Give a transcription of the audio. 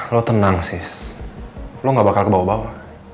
lo tenang sih lo gak bakal kebawa bawa